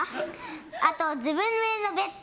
あと、自分なりのベッド。